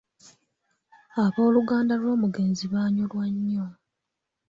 Abooluganda lw'omugenzi baanyolwa nnyo.